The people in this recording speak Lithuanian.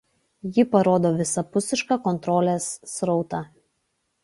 Ji parodo visapusišką kontrolės srautą.